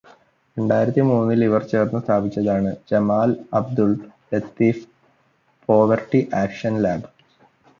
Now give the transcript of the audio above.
രണ്ടായിരത്തിമൂന്നിൽ ഇവർ ചേർന്ന് സ്ഥാപിച്ചതാണ് Jameel Abdul Latif poverty action lab